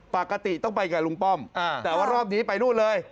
ปกติต้องไปกับลุงป้อมแต่ว่ารอบนี้ไปนู่นเลย